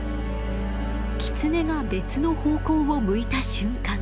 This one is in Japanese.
キツネが別の方向を向いた瞬間